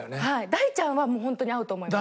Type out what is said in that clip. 大ちゃんはもう本当に合うと思います。